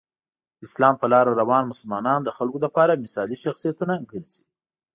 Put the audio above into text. د اسلام په لاره روان مسلمانان د خلکو لپاره مثالي شخصیتونه ګرځي.